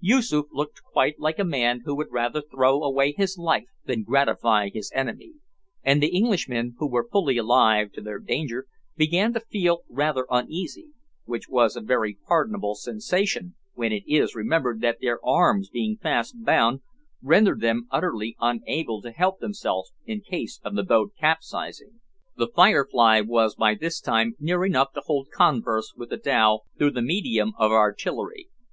Yoosoof looked quite like a man who would rather throw away his life than gratify his enemy, and the Englishmen, who were fully alive to their danger, began to feel rather uneasy which was a very pardonable sensation, when it is remembered that their arms being fast bound, rendered them utterly unable to help themselves in case of the boat capsizing. The "Firefly" was by this time near enough to hold converse with the dhow through the medium of artillery.